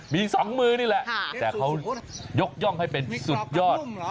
มี๒มือนี่แหละแต่เขายกย่องให้เป็นสุดยอด